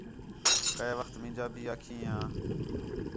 کَئے وخت مینجاں بھی اکھیں ھیاں